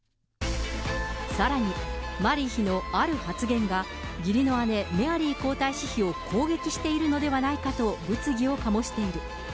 さらにマリー妃のある発言が、義理の姉、メアリー皇太子妃を攻撃しているのではないかと物議を醸している。